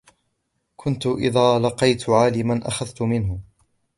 كُنْت إذَا لَقِيتُ عَالِمًا أَخَذْت مِنْهُ